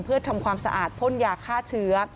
เพื่อทำความสะอาดพ่นยาฆ่าเชื้อ